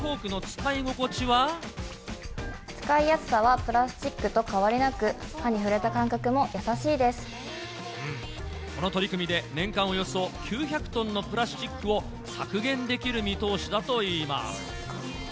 使いやすさはプラスチックと変わりなく、この取り組みで、年間およそ９００トンのプラスチックを削減できる見通しだといいます。